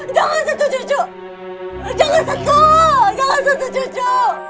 jangan setuju cu jangan setuju jangan setuju cu